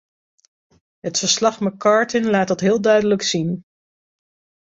Het verslag-McCartin laat dat heel duidelijk zien.